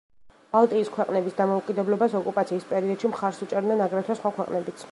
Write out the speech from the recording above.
ბალტიის ქვეყნების დამოუკიდებლობას ოკუპაციის პერიოდში მხარს უჭერდნენ აგრეთვე სხვა ქვეყნებიც.